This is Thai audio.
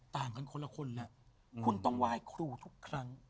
ต่างกันคนละคนแล้วคุณต้องไหว้ครูทุกครั้ง